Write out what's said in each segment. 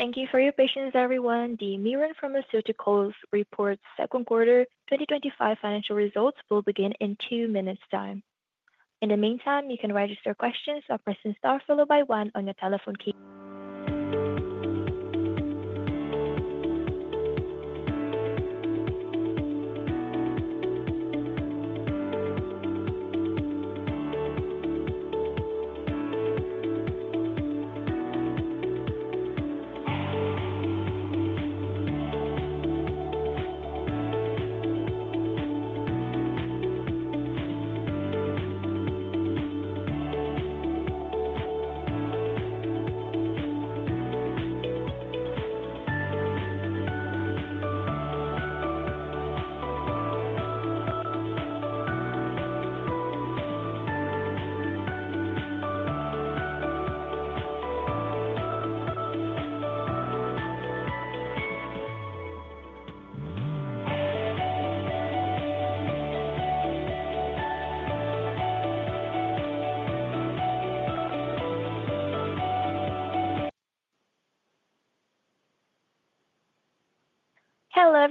Thank you for your patience, everyone. The Mirum Pharmaceuticals reports second quarter 2025 financial results will begin in two minutes' time. In the meantime, you can register questions at the question star, followed by one on your telephone key.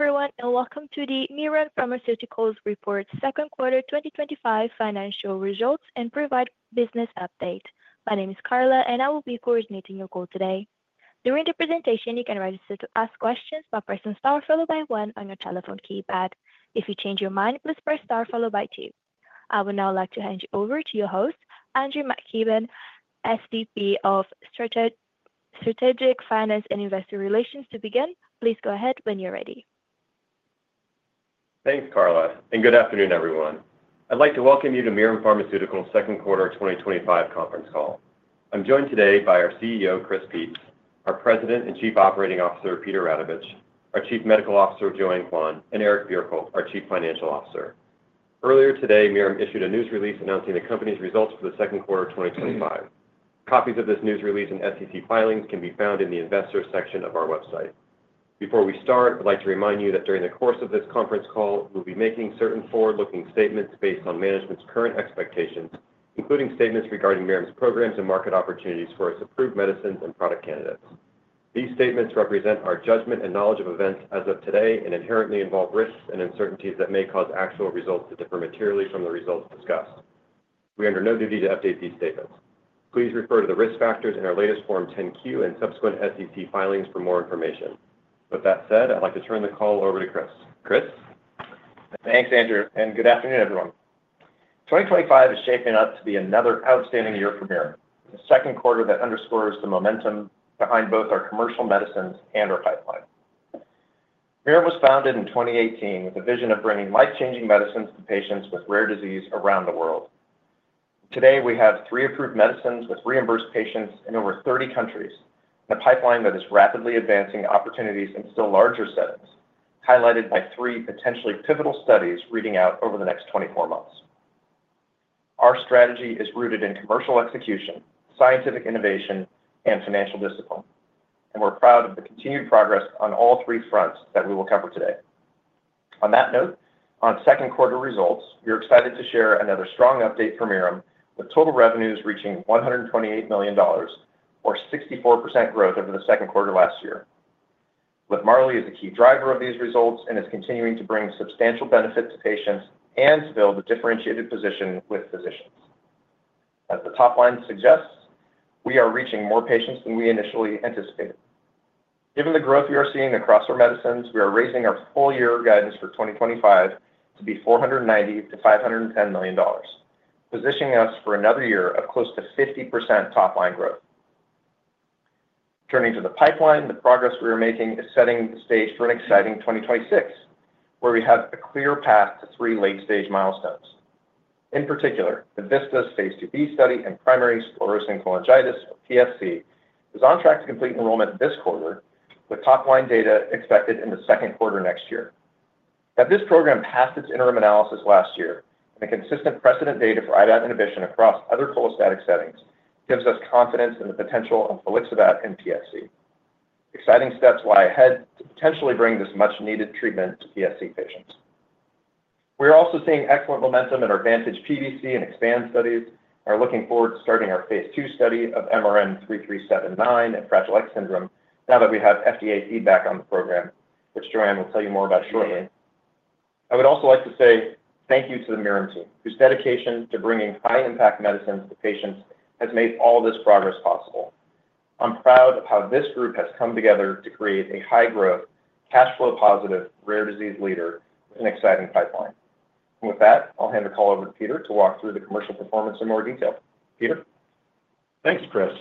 Hello, everyone, and welcome to the Mirum Pharmaceuticals reports second quarter 2025 financial results and provide business update. My name is Carla, and I will be coordinating your call today. During the presentation, you can register to ask questions by pressing star, followed by one on your telephone keypad. If you change your mind, please press star, followed by two. I would now like to hand you over to your host, Andrew McKibben, SVP of Strategic Finance and Investor Relations, to begin. Please go ahead when you're ready. Thanks, Carla, and good afternoon, everyone. I'd like to welcome you to Mirum Pharmaceuticals' second quarter 2025 conference call. I'm joined today by our CEO, Chris Peetz, our President and Chief Operating Officer, Peter Radovich, our Chief Medical Officer, Joanne Kwan, and Eric Bjerkel, our Chief Financial Officer. Earlier today, Mirum issued a news release announcing the company's results for the second quarter of 2025. Copies of this news release and SEC filings can be found in the Investors section of our website. Before we start, I'd like to remind you that during the course of this conference call, we'll be making certain forward-looking statements based on management's current expectations, including statements regarding Mirum's programs and market opportunities for its approved medicines and product candidates. These statements represent our judgment and knowledge of events as of today and inherently involve risks and uncertainties that may cause actual results to differ materially from the results discussed. We are under no duty to update these statements. Please refer to the risk factors in our latest Form 10-Q and subsequent SEC filings for more information. With that said, I'd like to turn the call over to Chris. Chris? Thanks, Andrew, and good afternoon, everyone. 2025 is shaping up to be another outstanding year for Mirum. The second quarter underscores the momentum behind both our commercial medicines and our pipeline. Mirum was founded in 2018 with the vision of bringing life-changing medicines to patients with rare disease around the world. Today, we have three approved medicines with reimbursed patients in over 30 countries, and a pipeline that is rapidly advancing opportunities in still larger setups, highlighted by three potentially pivotal studies reading out over the next 24 months. Our strategy is rooted in commercial execution, scientific innovation, and financial discipline, and we're proud of the continued progress on all three fronts that we will cover today. On that note, on second quarter results, we are excited to share another strong update for Mirum, with total revenues reaching $128 million, or 64% growth over the second quarter last year. LIVMARLI is a key driver of these results and is continuing to bring substantial benefit to patients and to build a differentiated position with physicians. As the top line suggests, we are reaching more patients than we initially anticipated. Given the growth we are seeing across our medicines, we are raising our full-year guidance for 2025 to be $490 million-$510 million, positioning us for another year of close to 50% top-line growth. Turning to the pipeline, the progress we are making is setting the stage for an exciting 2026, where we have a clear path to three late-stage milestones. In particular, the VISTAS Phase IIb study in primary sclerosing cholangitis, PSC, is on track to complete enrollment this quarter, with top-line data expected in the second quarter next year. This program passed its interim analysis last year, and the consistent precedent data for IVAB inhibition across other cholestatic settings gives us confidence in the potential of volixibat in PSC. Exciting steps lie ahead to potentially bring this much-needed treatment to PSC patients. We are also seeing excellent momentum in our VANTAGE PBC and EXPAND study. We are looking forward to starting our Phase 2 study of MRM-3379 in Fragile X syndrome now that we have FDA feedback on the program, which Joanne will tell you more about shortly. I would also like to say thank you to the Mirum team, whose dedication to bringing high-impact medicines to patients has made all this progress possible. I'm proud of how this group has come together to create a high-growth, cash-flow-positive, rare disease leader with an exciting pipeline. With that, I'll hand the call over to Peter to walk through the commercial performance in more detail. Peter? Thanks, Chris.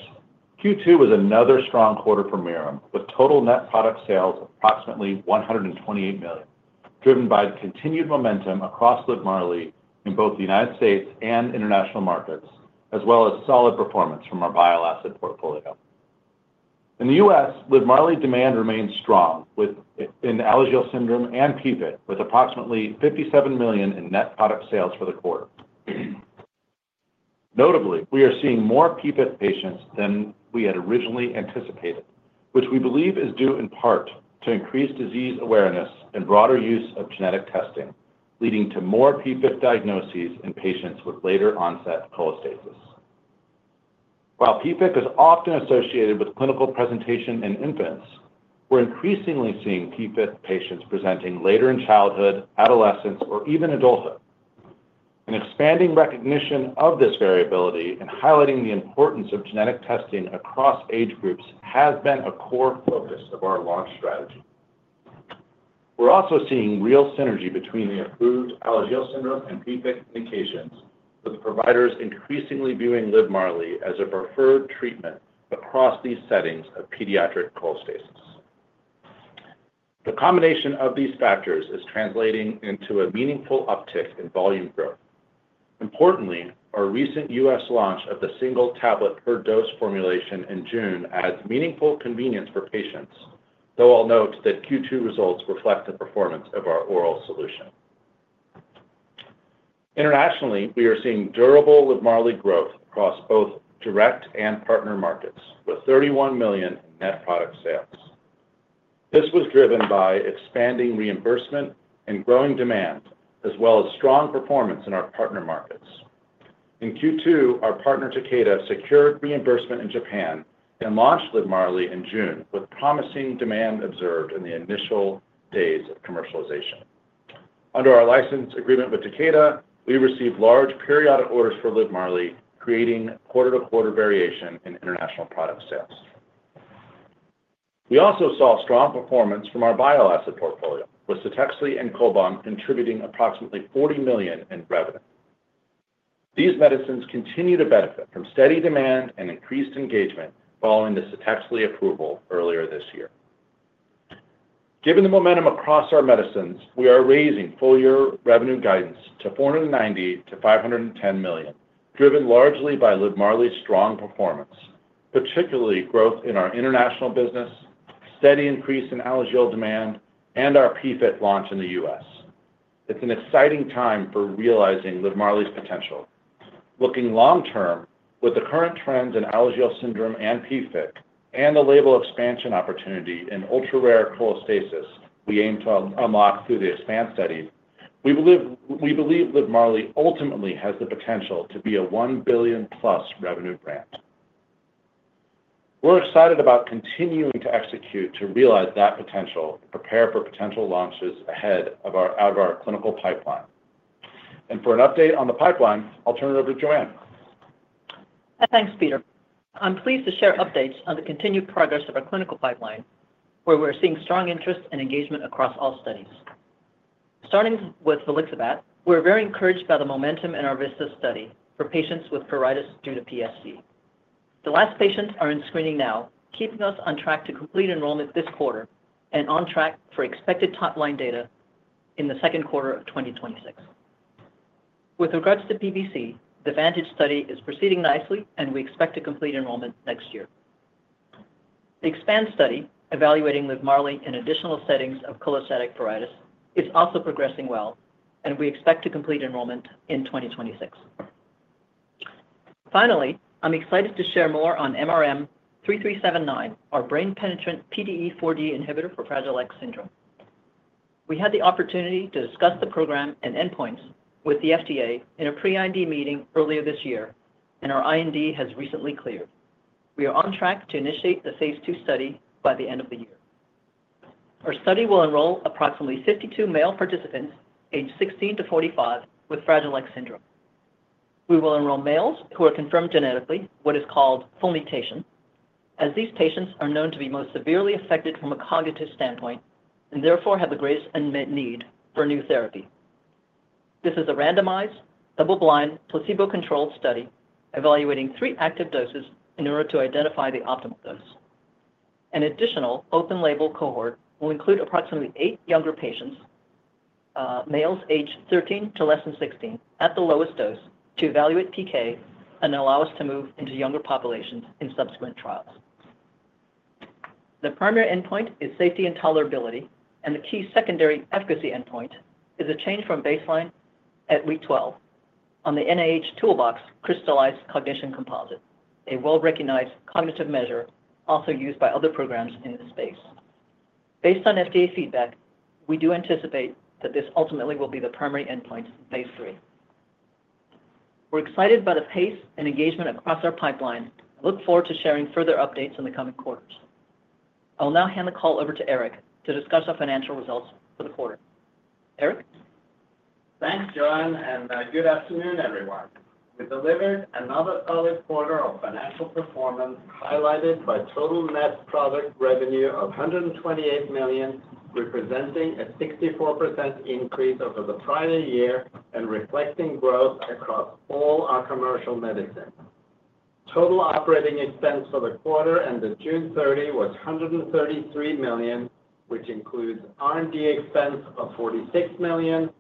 Q2 was another strong quarter for Mirum, with total net product sales of approximately $128 million, driven by the continued momentum across LIVMARLI in both the United States and international markets, as well as solid performance from our bile acid portfolio. In the U.S., LIVMARLI demand remains strong in Alagille syndrome and PFIC, with approximately $57 million in net product sales for the quarter. Notably, we are seeing more PFIC patients than we had originally anticipated, which we believe is due in part to increased disease awareness and broader use of genetic testing, leading to more PFIC diagnoses in patients with later-onset cholestasis. While PFIC is often associated with clinical presentation in infants, we're increasingly seeing PFIC patients presenting later in childhood, adolescence, or even adulthood. An expanding recognition of this variability and highlighting the importance of genetic testing across age groups has been a core focus of our launch strategy. We're also seeing real synergy between the approved Alagille syndrome and PFIC indications, with providers increasingly viewing LIVMARLI as a preferred treatment across these settings of pediatric cholestasis. The combination of these factors is translating into a meaningful uptick in volume growth. Importantly, our recent U.S. launch of the single-tablet formulation in June adds meaningful convenience for patients, though I'll note that Q2 results reflect the performance of our oral solution. Internationally, we are seeing durable LIVMARLI growth across both direct and partner markets, with $31 million net product sales. This was driven by expanding reimbursement and growing demand, as well as strong performance in our partner markets. In Q2, our partner Takeda secured reimbursement in Japan and launched LIVMARLI in June, with promising demand observed in the initial days of commercialization. Under our license agreement with Takeda, we received large periodic orders for LIVMARLI, creating quarter-to-quarter variation in international product sales. We also saw strong performance from our bile acid portfolio, with CTEXLI and CHOLBAM contributing approximately $40 million in revenue. These medicines continue to benefit from steady demand and increased engagement following the CTEXLI approval earlier this year. Given the momentum across our medicines, we are raising full-year revenue guidance to $490 million-$510 million, driven largely by LIVMARLI's strong performance, particularly growth in our international business, steady increase in Alagille syndrome demand, and our PFIC launch in the U.S. It's an exciting time for realizing LIVMARLI's potential. Looking long-term, with the current trends in Alagille syndrome and PFIC and the label expansion opportunity in ultra-rare cholestasis we aim to unlock through the EXPAND study, we believe LIVMARLI ultimately has the potential to be a $1+ billion revenue brand. We're excited about continuing to execute to realize that potential, prepare for potential launches ahead of our clinical pipeline. For an update on the pipeline, I'll turn it over to Joanne. Thanks, Peter. I'm pleased to share updates on the continued progress of our clinical pipeline, where we're seeing strong interest and engagement across all studies. Starting with volixibat, we're very encouraged by the momentum in our VISTAS study for patients with pruritus due to PSC. The last patients are in screening now, keeping us on track to complete enrollment this quarter and on track for expected top-line data in the second quarter of 2026. With regards to PBC, the VANTAGE study is proceeding nicely, and we expect to complete enrollment next year. The EXPAND study, evaluating LIVMARLI in additional settings of cholestatic pruritus, is also progressing well, and we expect to complete enrollment in 2026. Finally, I'm excited to share more on MRM-3379, our brain-penetrant PDE4D inhibitor for Fragile X syndrome. We had the opportunity to discuss the program and endpoints with the FDA in a pre-IND meeting earlier this year, and our IND has recently cleared. We are on track to initiate the Phase 2 study by the end of the year. Our study will enroll approximately 52 male participants, age 16-45, with Fragile X syndrome. We will enroll males who are confirmed genetically, what is called full mutation, as these patients are known to be most severely affected from a cognitive standpoint and therefore have the greatest unmet need for new therapy. This is a randomized, double-blind, placebo-controlled study evaluating three active doses in order to identify the optimal dose. An additional open-label cohort will include approximately eight younger patients, males aged 13 to less than 16, at the lowest dose to evaluate PK and allow us to move into younger populations in subsequent trials. The primary endpoint is safety and tolerability, and the key secondary efficacy endpoint is a change from baseline at week 12 on the NIH toolbox crystallized cognition composite, a well-recognized cognitive measure also used by other programs in this space. Based on FDA feedback, we do anticipate that this ultimately will be the primary endpoint, Phase III. We're excited about the pace and engagement across our pipeline and look forward to sharing further updates in the coming quarters. I will now hand the call over to Eric to discuss our financial results for the quarter. Eric? Thanks, Joanne, and good afternoon, everyone. Delivered another early quarter of financial performance, highlighted by a total net product revenue of $128 million, representing a 64% increase over the prior year and reflecting growth across all our commercial medicines. Total operating expense for the quarter ended June 30 was $133 million, which includes R&D expense of $46 million,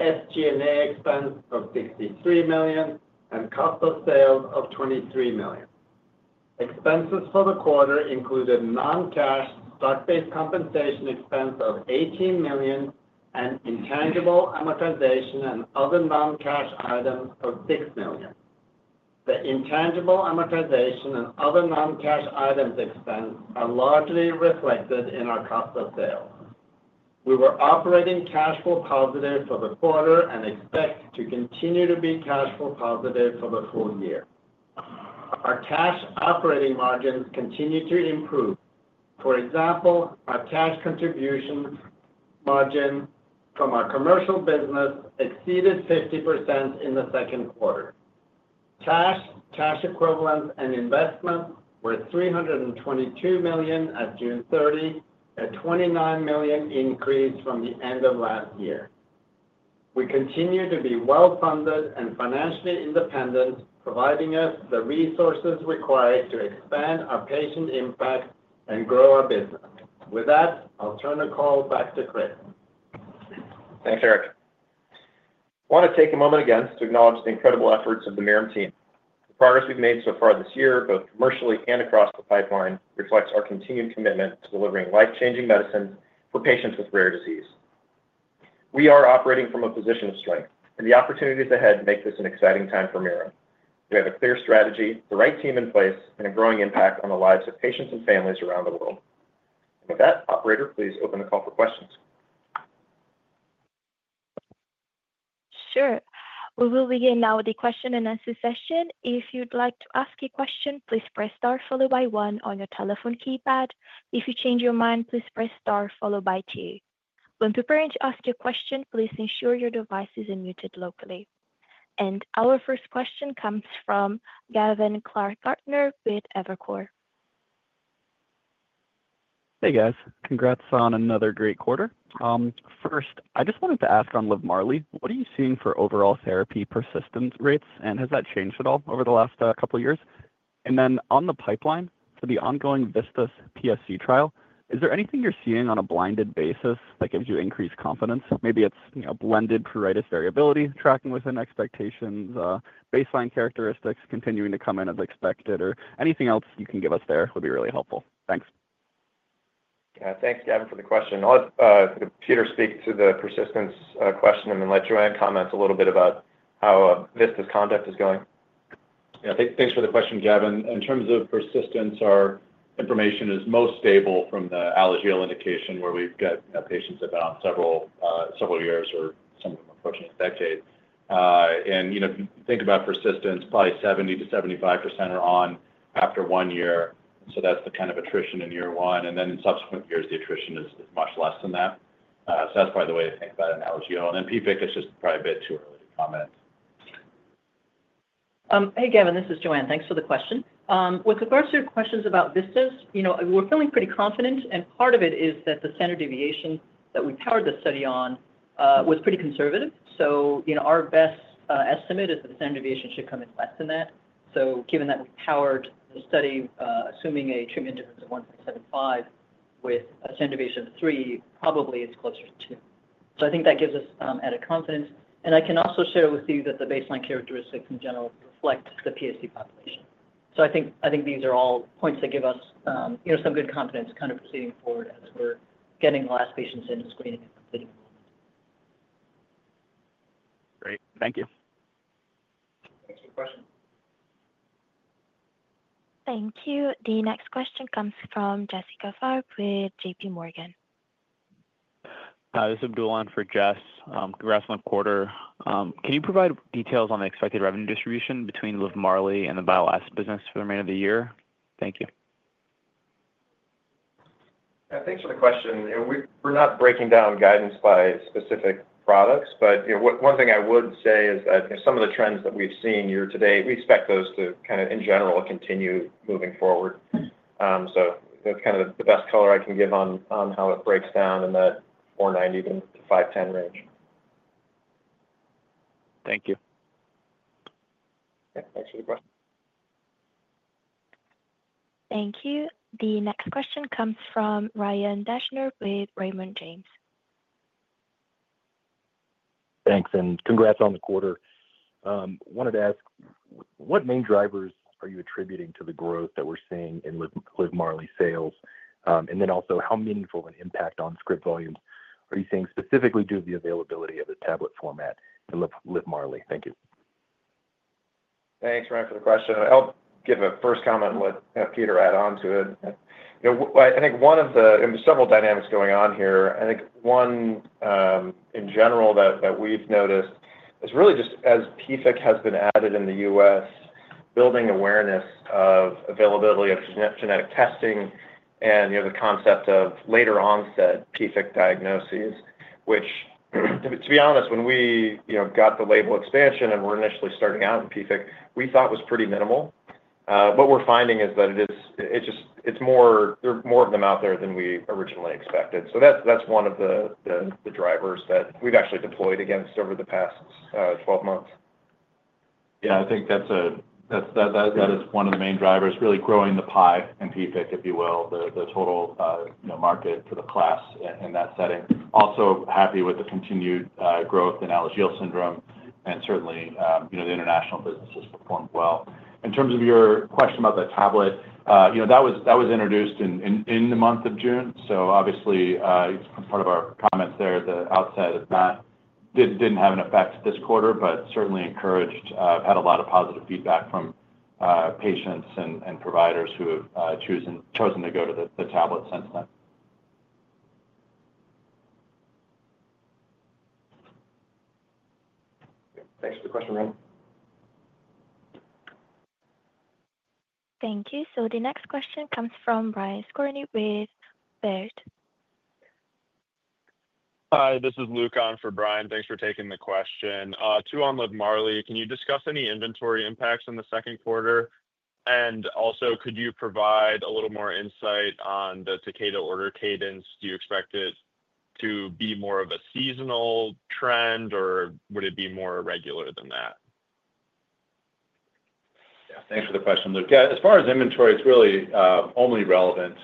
SG&A expense of $63 million, and cost of sales of $23 million. Expenses for the quarter included non-cash, stock-based compensation expense of $18 million and intangible amortization and other non-cash items of $6 million. The intangible amortization and other non-cash items expense are largely reflected in our cost of sales. We were operating cash flow positive for the quarter and expect to continue to be cash flow positive for the full year. Our cash operating margins continue to improve. For example, our cash contributions margin from our commercial business exceeded 50% in the second quarter. Cash, cash equivalents, and investments were $323 million at June 30, a $29 million increase from the end of last year. We continue to be well-funded and financially independent, providing us the resources required to expand our patient impact and grow our business. With that, I'll turn the call back to Chris. Thanks, Eric. I want to take a moment again to acknowledge the incredible efforts of the Mirum team. The progress we've made so far this year, both commercially and across the pipeline, reflects our continued commitment to delivering life-changing medicine for patients with rare disease. We are operating from a position of strength, and the opportunities ahead make this an exciting time for Mirum. We have a clear strategy, the right team in place, and a growing impact on the lives of patients and families around the world. With that, operator, please open the call for questions. Sure. We will begin now with the question and answer session. If you'd like to ask a question, please press star, followed by one on your telephone keypad. If you change your mind, please press star, followed by two. When preparing to ask your question, please ensure your device is unmuted locally. Our first question comes from Gavin Clark-Gartner with Evercore. Hey, guys. Congrats on another great quarter. First, I just wanted to ask on LIVMARLI, what are you seeing for overall therapy persistence rates? Has that changed at all over the last couple of years? On the pipeline, for the ongoing VISTAS PSC trial, is there anything you're seeing on a blinded basis that gives you increased confidence? Maybe it's blended pruritus variability, tracking within expectations, baseline characteristics continuing to come in as expected, or anything else you can give us there would be really helpful. Thanks. Yeah, thanks, Gavin, for the question. I'll let Peter speak to the persistence question, and then let Joanne comment a little bit about how VISTAS conduct is going. Yeah, thanks for the question, Gavin. In terms of persistence, our information is most stable from the Alagille syndrome indication, where we've got patients about several years or some of them approaching a decade. If you think about persistence, probably 70%-75% are on after one year. That's the kind of attrition in year one. In subsequent years, the attrition is much less than that. That's probably the way to think about it in Alagille syndrome. PFIC is just probably a bit too early to comment. Hey, Gavin. This is Joanne. Thanks for the question. With regards to your questions about VISTAS, we're feeling pretty confident. Part of it is that the standard deviation that we powered the study on was pretty conservative. Our best estimate is that the standard deviation should come in less than that. Given that we powered the study, assuming a treatment difference of 1.75 with a standard deviation of three, probably is closer to two. I think that gives us added confidence. I can also share with you that the baseline characteristics in general reflect the PSC population. I think these are all points that give us some good confidence proceeding forward as we're getting the last patients into screening and completing. Great. Thank you. Thank you. The next question comes from Jessica Farb with JPMorgan. Hi. This is Dulan for Jess. Congrats on the quarter. Can you provide details on the expected revenue distribution between LIVMARLI and the bile acid business for the remainder of the year? Thank you. Yeah, thanks for the question. We're not breaking down guidance by specific products. One thing I would say is that some of the trends that we've seen year to date, we expect those to, in general, continue moving forward. That's the best color I can give on how it breaks down in that $490 million-$510 million range. Thank you. Yeah, thanks, everybody. Thank you. The next question comes from Ryan Deschner with Raymond James. Thanks, and congrats on the quarter. I wanted to ask, what main drivers are you attributing to the growth that we're seeing in LIVMARLI sales? Also, how meaningful of an impact on script volume are you seeing specifically due to the availability of the tablet format in LIVMARLI? Thank you. Thanks, Ryan, for the question. I'll give a first comment and let Peter add on to it. I think one of the, and there's several dynamics going on here. I think one, in general, that we've noticed is really just as PFIC has been added in the U.S., building awareness of availability of genetic testing and the concept of later-onset PFIC diagnoses, which, to be honest, when we got the label expansion and were initially starting out in PFIC, we thought was pretty minimal. What we're finding is that it's just, it's more, there are more of them out there than we originally expected. That's one of the drivers that we've actually deployed against over the past 12 months. Yeah, I think that is one of the main drivers, really growing the pie in PFIC, if you will, the total market for the class in that setting. Also, happy with the continued growth in Alagille syndrome. Certainly, the international business has performed well. In terms of your question about the tablet, that was introduced in the month of June. Obviously, it's part of our comments there that outside of that, it didn't have an effect this quarter, but certainly encouraged. I've had a lot of positive feedback from patients and providers who have chosen to go to the tablet since then. Thanks for the question, Ryan. Thank you. The next question comes from Brian Skorney with Baird. Hi. This is Luke on for Brian. Thanks for taking the question. Two, on LIVMARLI, can you discuss any inventory impacts in the second quarter? Also, could you provide a little more insight on the Takeda order cadence? Do you expect it to be more of a seasonal trend, or would it be more regular than that? Yeah, thanks for the question, Luke. As far as inventory, it's really only relevant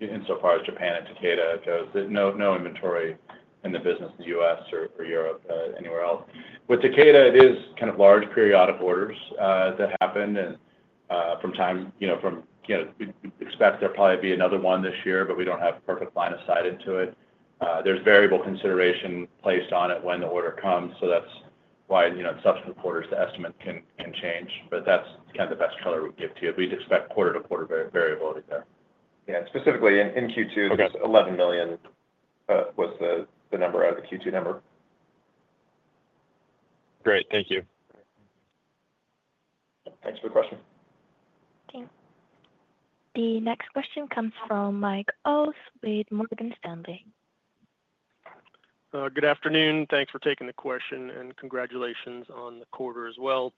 insofar as Japan and Takeda goes. No inventory in the business in the U.S. or Europe anywhere else. With Takeda, it is kind of large periodic orders that happen. From time to time, we expect there'll probably be another one this year, but we don't have a perfect line of sight into it. There's variable consideration placed on it when the order comes. That's why, in subsequent quarters, the estimate can change. That's kind of the best color we'd give to you if we'd expect quarter-to-quarter variability there. Specifically in Q2, it was $11 million out of the Q2 number. Great. Thank you. Thanks for the question. Thank you. The next question comes from Mike Ulz with Morgan Stanley. Good afternoon. Thanks for taking the question, and congratulations on the quarter as well.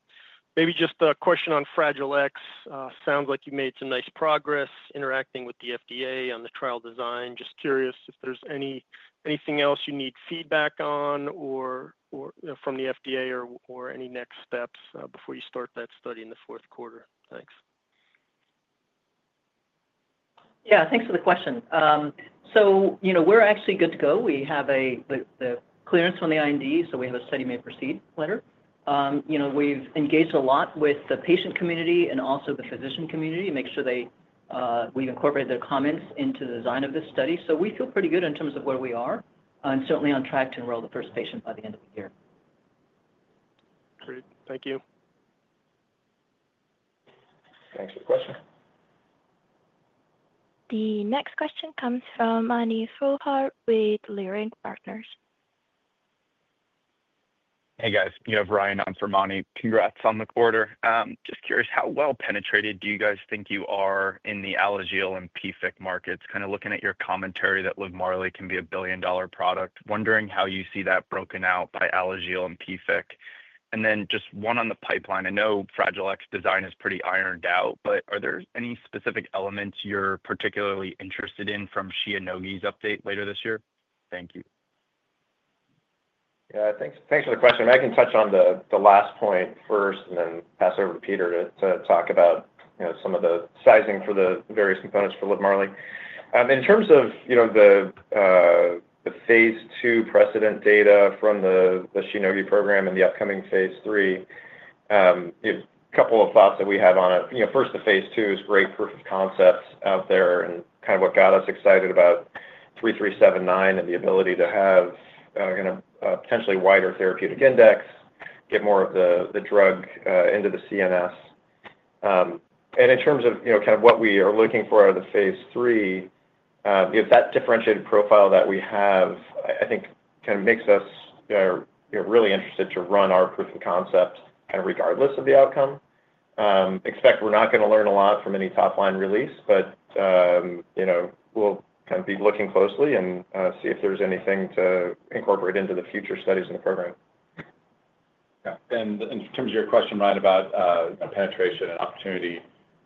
Maybe just a question on Fragile X. Sounds like you made some nice progress interacting with the FDA on the trial design. Just curious if there's anything else you need feedback on from the FDA or any next steps before you start that study in the fourth quarter. Thanks. Yeah, thanks for the question. We're actually good to go. We have the clearance from the IND, so we have a study may proceed letter. We've engaged a lot with the patient community and also the physician community to make sure we've incorporated their comments into the design of this study. We feel pretty good in terms of where we are and certainly on track to enroll the first patient by the end of the year. Great. Thank you. Thanks for the question. The next question comes from Mani Foroohar with Leerink Partners. Hey, guys. You have Ryan on for Manny. Congrats on the quarter. Just curious, how well penetrated do you guys think you are in the Alagille syndrome and PFIC markets? Kind of looking at your commentary that LIVMARLI can be a billion-dollar product, wondering how you see that broken out by Alagille syndrome and PFIC. One on the pipeline, I know Fragile X design is pretty ironed out, but are there any specific elements you're particularly interested in from Shionogi's update later this year? Thank you. Yeah, thanks for the question. I can touch on the last point first and then pass it over to Peter to talk about some of the sizing for the various components for LIVMARLI. In terms of the Phase 2 precedent data from the Shionogi program and the upcoming Phase 3, a couple of thoughts that we have on it. First, the Phase 2 is great proof of concept out there and kind of what got us excited about MRM-3379 and the ability to have a potentially wider therapeutic index, get more of the drug into the CNS. In terms of what we are looking for out of the Phase III, that differentiated profile that we have, I think, kind of makes us really interested to run our proof of concept kind of regardless of the outcome. Expect we're not going to learn a lot from any top-line release, but we'll be looking closely and see if there's anything to incorporate into the future studies in the program. Yeah. In terms of your question, Ryan, about penetration and opportunity,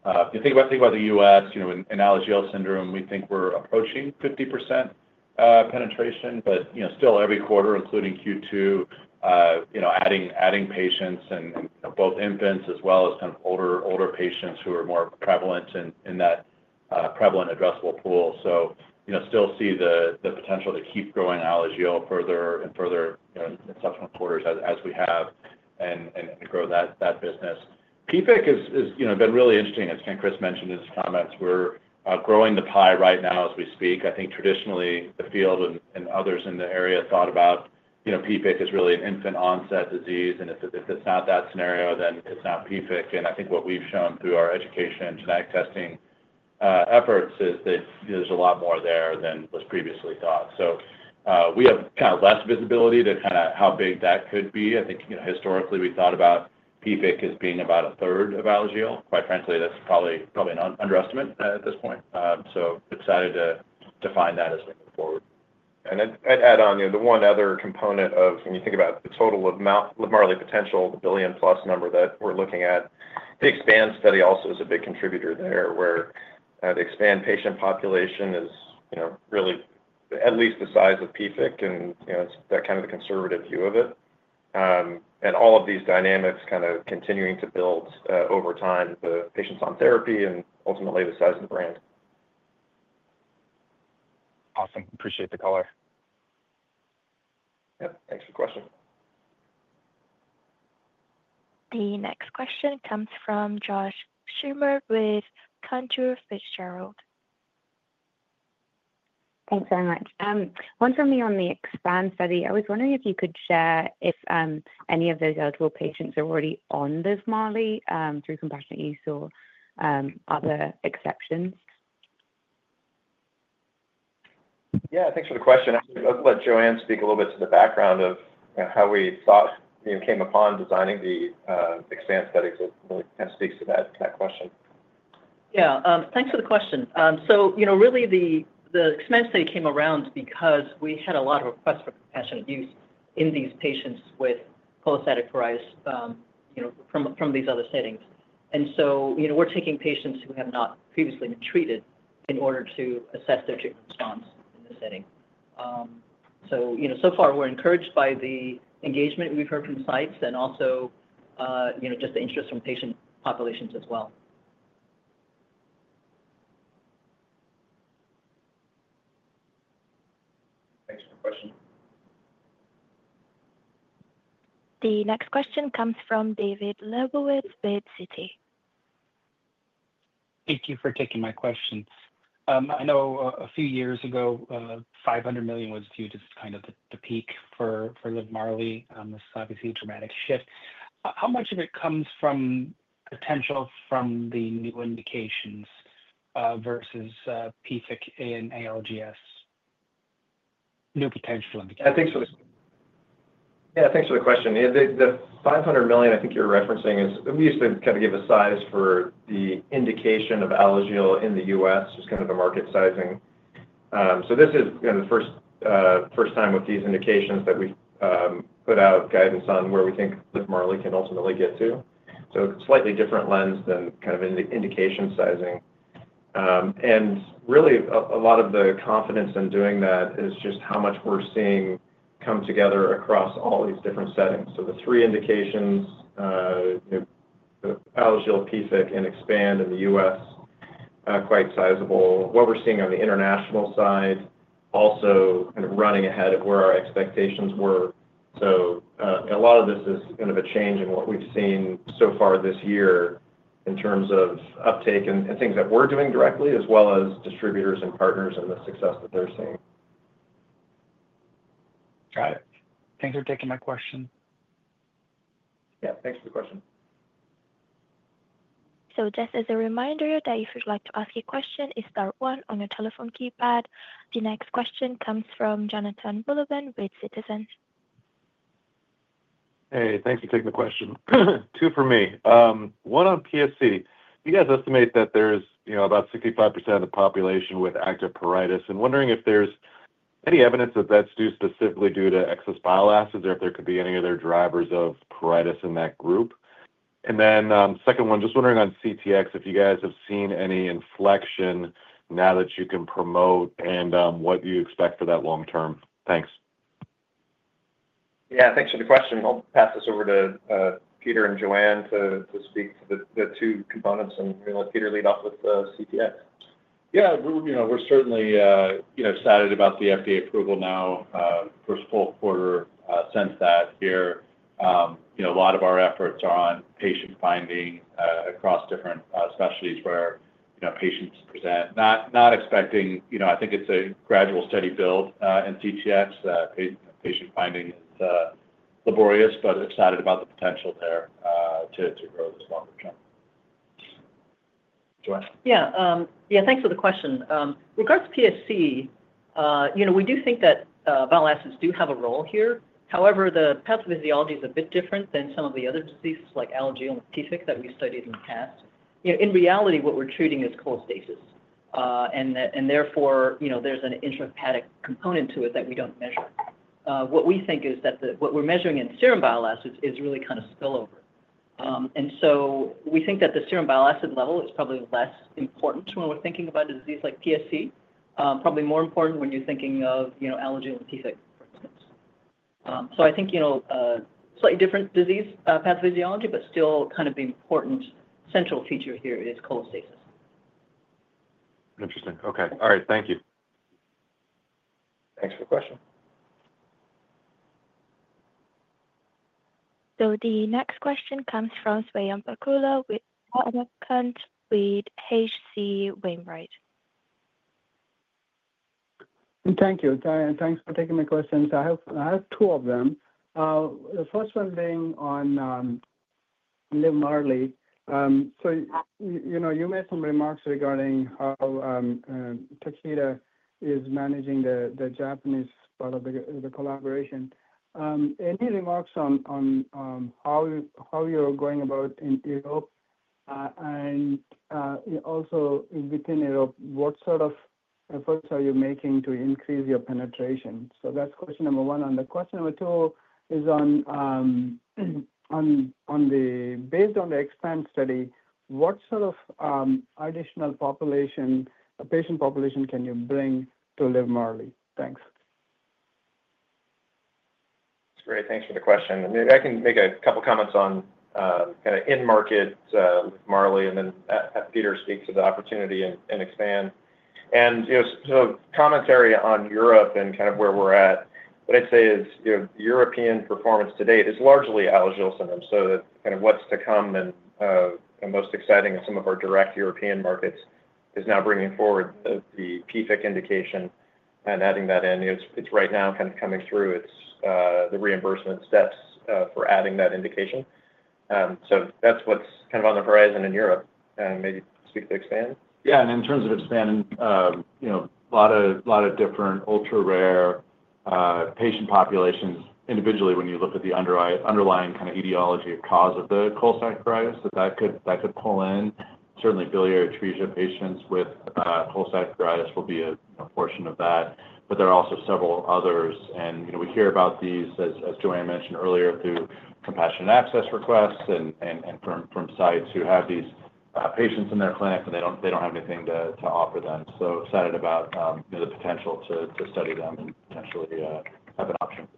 if you think about the U.S., in Alagille syndrome, we think we're approaching 50% penetration, but still every quarter, including Q2, adding patients in both infants as well as kind of older patients who are more prevalent in that prevalent addressable pool. Still see the potential to keep growing Alagille syndrome further and further in subsequent quarters as we have and grow that business. PFIC has been really interesting, as Chris mentioned in his comments. We're growing the pie right now as we speak. I think traditionally, the field and others in the area thought about PFIC as really an infant-onset disease. If it's not that scenario, then it's not PFIC. What we've shown through our education and genetic testing efforts is that there's a lot more there than was previously thought. We have kind of less visibility to how big that could be. Historically, we thought about PFIC as being about a third of Alagille syndrome. Quite frankly, that's probably an underestimate at this point. Excited to find that as things move forward. To add on, the one other component of when you think about the total LIVMARLI potential, the $1+ billion number that we're looking at, the EXPAND study also is a big contributor there, where the EXPAND patient population is really at least the size of PFIC. It's that kind of the conservative view of it. All of these dynamics continue to build over time with patients on therapy and ultimately the size of the brand. Awesome. Appreciate the color. Yep. Thanks for the question. The next question comes from Josh Schimmer with Cantor Fitzgerald. Thanks very much. One from me on the EXPAND study. I was wondering if you could share if any of those eligible patients are already on LIVMARLI through compassionate use or other exceptions. Yeah, thanks for the question. I'll let Joanne speak a little bit to the background of how we came upon designing the EXPAND study. It really kind of speaks to that question. Thanks for the question. The EXPAND study came around because we had a lot of requests for compassionate use in these patients with cholestatic pruritus from these other settings. We're taking patients who have not previously been treated in order to assess their treatment response in this setting. So far, we're encouraged by the engagement we've heard from the sites, and also just the interest from patient populations as well. The next question comes from David Lebowitz with Citi. Thank you for taking my questions. I know a few years ago, $500 million was viewed as kind of the peak for LIVMARLI. This is obviously a dramatic shift. How much of it comes from potential from the new indications versus PFIC and ALGS? New potential indications. Yeah, thanks for the question. The $500 million I think you're referencing is we used to kind of give a size for the indication of Alagille syndrome in the U.S., just kind of the market sizing. This is kind of the first time with these indications that we've put out guidance on where we think LIVMARLI can ultimately get to. It's a slightly different lens than kind of indication sizing. Really, a lot of the confidence in doing that is just how much we're seeing come together across all these different settings. The three indications, Alagille syndrome, PFIC, and EXPAND in the U.S. are quite sizable. What we're seeing on the international side is also kind of running ahead of where our expectations were. A lot of this is kind of a change in what we've seen so far this year in terms of uptake and things that we're doing directly, as well as distributors and partners and the success that they're seeing. Got it. Thanks for taking that question. Yeah, thanks for the question. As a reminder, if you'd like to ask a question, it is star one on your telephone keypad. The next question comes from Jonathan Wolleben with Citizens. Hey, thanks for taking the question. Two for me. One on PSC. You guys estimate that there's, you know, about 65% of the population with active pruritus. I'm wondering if there's any evidence that that's specifically due to excess bile acids or if there could be any other drivers of pruritus in that group. The second one, just wondering on CTX if you guys have seen any inflection now that you can promote and what you expect for that long term. Thanks. Yeah, thanks for the question. I'll pass this over to Peter and Joanne to speak to the two components, and maybe let Peter lead off with the CTX. Yeah, we're certainly excited about the FDA approval now. First full quarter since that year. A lot of our efforts are on patient finding across different specialties where patients present. Not expecting, I think it's a gradual, steady build in CTX. Patient finding is laborious, but excited about the potential there to grow in the longer term. Yeah, thanks for the question. Regards to PSC, we do think that bile acids do have a role here. However, the pathophysiology is a bit different than some of the other diseases like Alagille syndrome and PFIC that we studied in the past. In reality, what we're treating is cholestasis, and therefore, there's an intrahepatic component to it that we don't measure. What we think is that what we're measuring in serum bile acids is really kind of spillover. We think that the serum bile acid level is probably less important when we're thinking about a disease like PSC, probably more important when you're thinking of, you know, Alagille syndrome and PFIC, for instance. I think, you know, slightly different disease pathophysiology, but still kind of the important central feature here is cholestasis. Interesting. Okay. All right. Thank you. Thanks for the question. The next question comes from Swayampakula Ramakanth with H.C. Wainwright. Thank you, Gavin. Thanks for taking the question. I have two of them. The first one being on LIVMARLI. You made some remarks regarding how Takeda is managing the Japanese part of the collaboration. Any remarks on how you're going about in Europe? Also, within Europe, what sort of efforts are you making to increase your penetration? That's question number one. The question number two is based on the EXPAND study, what sort of additional patient population can you bring to LIVMARLI? Thanks. That's great. Thanks for the question. Maybe I can make a couple of comments on kind of in-market LIVMARLI and then as Peter speaks of the opportunity in EXPAND. Commentary on Europe and kind of where we're at, what I'd say is, European performance to date is largely Alagille syndrome. What’s to come and most exciting is some of our direct European markets is now bringing forward the PFIC indication and adding that in. It's right now kind of coming through. It's the reimbursement steps for adding that indication. That's what's kind of on the horizon in Europe. Maybe speak to EXPAND. Yeah, and in terms of EXPAND, a lot of different ultra-rare patient populations individually, when you look at the underlying kind of etiology or cause of the cholestatic pruritus, that could pull in. Certainly, biliary atresia patients with cholestatic pruritus will be a portion of that. There are also several others. We hear about these, as Joanne mentioned earlier, through compassionate access requests and from sites who have these patients in their clinic, and they don't have anything to offer them. Excited about the potential to study them and potentially have an option.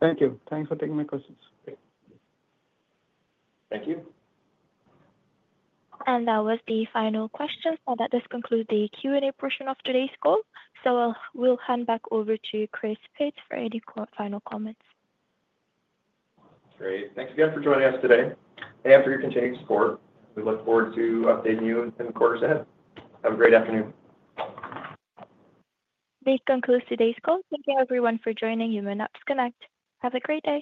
Thank you. Thanks for taking my questions. Thank you. That was the final question. This does conclude the Q&A portion of today's call. We'll hand back over to Chris Peetz for any final comments. Great. Thanks again for joining us today and for your continued support. We look forward to updating you at the quarter's end. Have a great afternoon. This concludes today's call. Thank you, everyone, for joining. Have a great day.